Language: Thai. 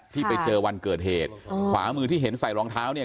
ที่ไปเจอวันเกิดเหตุขวามือที่เห็นใส่รองเท้าเนี่ย